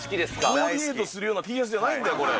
コーディネートするようなＴシャツじゃないんだよ。